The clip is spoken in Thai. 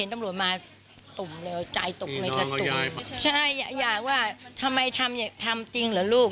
ทำจริงเหรอลูก